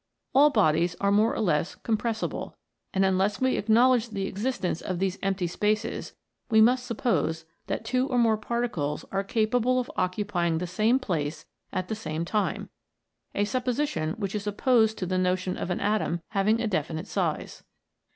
All bodies are more or less compressible, and unless we acknowledge the exis tence of these empty spaces we must suppose that two or more particles are capable of occupying the same place at the same time : a supposition which is opposed to the notion of an atom having a definite size.